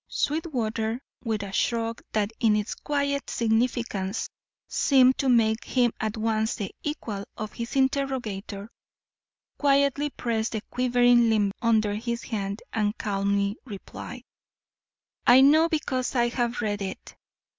Sweetwater, with a shrug that in its quiet significance seemed to make him at once the equal of his interrogator, quietly pressed the quivering limb under his hand and calmly replied: "I know because I have read it.